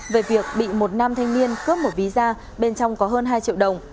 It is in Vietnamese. về việc bị một nam thanh niên cướp một ví da bên trong có hơn hai triệu đồng